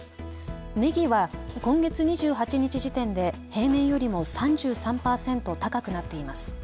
ねぎは今月２８日時点で平年よりも３３％高くなっています。